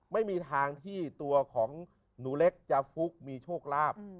ไม่มีทางที่ตัวของหนูเล็กจะฟุกมีโชคลาภ